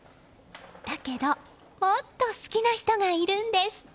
だけど、もっと好きな人がいるんです。